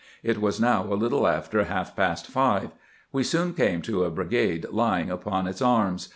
It was now a little after half past five. We soon came to a brigade lying upon its arms.